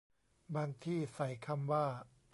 บางที่ใส่คำว่า